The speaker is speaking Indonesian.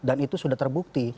dan itu sudah terbukti